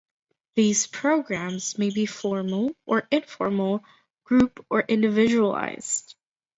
These programs may be formal, or informal, group or individualized.